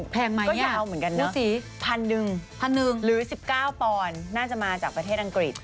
แพงไหมเนี่ยมูสีพันหนึ่งหรือ๑๙ปอนน่าจะมาจากประเทศอังกฤษ